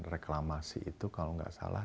reklamasi itu kalau nggak salah